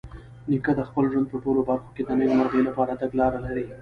نیکه د خپل ژوند په ټولو برخو کې د نیکمرغۍ لپاره تګلاره لري.